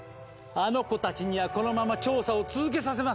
あの子たちにはこのまま調査を続けさせます！